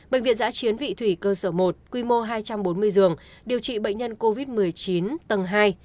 bệnh viện giã chiến vị thủy cơ sở một quy mô hai trăm bốn mươi giường điều trị bệnh nhân covid một mươi chín tầng hai